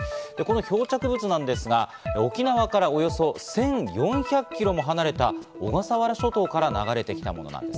この漂着物ですが、沖縄からおよそ１４００ｋｍも離れた小笠原諸島から流れてきたものなんです。